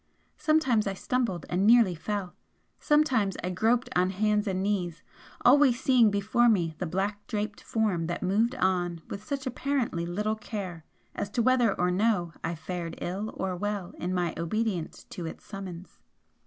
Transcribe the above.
Sometimes I stumbled and nearly fell sometimes I groped on hands and knees, always seeing before me the black draped Form that moved on with such apparently little care as to whether or no I fared ill or well in my obedience to its summons.